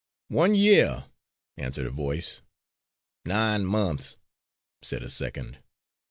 "One year," answered a voice. "Nine months," said a second.